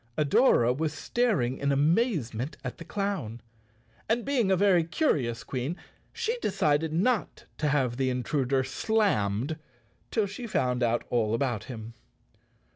Adora was staring in amazement at the clown, and being a very curious Queen she decided not to have the intruder slammed till she found out all about him.